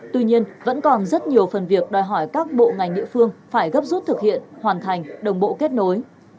tuy nhiên vẫn còn rất nhiều phần việc đòi hỏi các bộ ngành địa phương phải gấp rút thực hiện hoàn thành đồng bộ kết nối